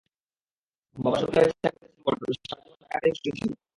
বাবা সরকারি চাকুরে ছিলেন বটে, তবে সারা জীবন ঢাকাতেই পোস্টিং ছিল।